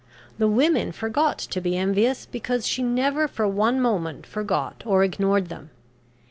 The women forgot to be envious, because she never for one moment forgot or ignored them.